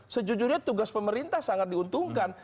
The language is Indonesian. sejujurnya tugas pemerintah sangat diuntungkan